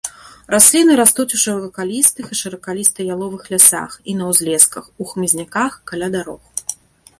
Расліны растуць у шыракалістых і шыракаліста-яловых лясах і на ўзлесках, у хмызняках, каля дарог.